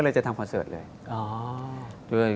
ก็เลยจะทำคอนเสิร์ตเลย